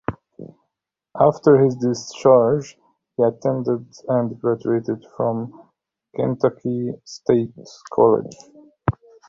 After his discharge, he attended and graduated from Kentucky State College.